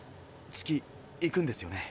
月行くんですよね？